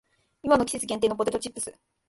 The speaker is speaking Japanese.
今の季節限定のポテトチップス